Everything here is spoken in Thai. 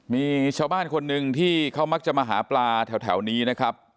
มีชาวบ้านคนหนึ่งที่เขามักจะมาหาปลาแถวนี้นะครับ